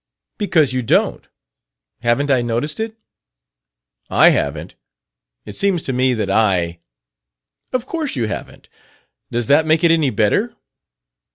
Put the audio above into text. "Because you don't. Haven't I noticed it?" "I haven't. It seems to me that I " "Of course you haven't. Does that make it any better?"